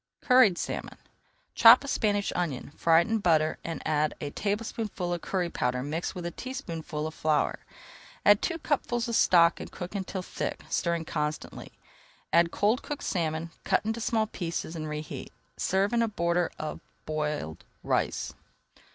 CURRIED SALMON Chop a Spanish onion, fry it in butter, and add a tablespoonful of curry powder mixed with a teaspoonful of flour. Add two cupfuls of stock and cook until thick, stirring constantly. Add cold cooked salmon, cut into small pieces, and reheat. Serve in a border of boiled rice.